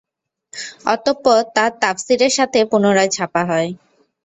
অতঃপর তার তাফসীরের সাথে পুনরায় ছাপা হয়।